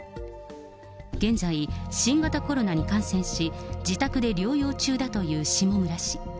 現在、新型コロナに感染し、自宅で療養中だという下村氏。